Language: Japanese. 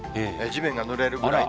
地面がぬれるぐらい。